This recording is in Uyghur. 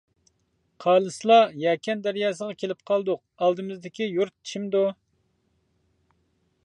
— قالىسىلا، يەكەن دەرياسىغا كېلىپ قالدۇق، ئالدىمىزدىكى يۇرت چىمدۇ.